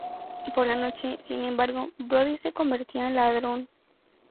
Por la noche, sin embargo, Brodie se convertía en ladrón.